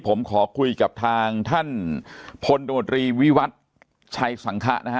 ผมขอคุยกับท่านท่านพลตรวจรีวิวัติชัยสังขะ